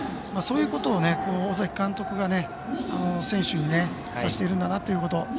そういうことを尾崎監督が選手にさせているんだなということ。